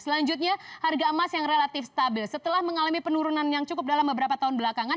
selanjutnya harga emas yang relatif stabil setelah mengalami penurunan yang cukup dalam beberapa tahun belakangan